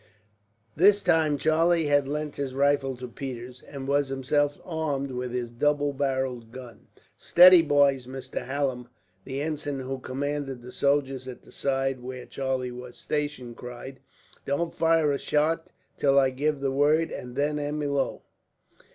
This time Charlie had lent his rifle to Peters, and was himself armed with his double barrel gun. "Steady, boys," Mr. Hallam, the ensign who commanded the soldiers at the side where Charlie was stationed, cried; "don't fire a shot till I give the word, and then aim low."